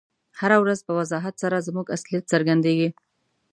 هره ورځ په وضاحت سره زموږ اصلیت څرګندیږي.